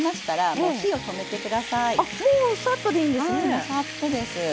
もうサッとです。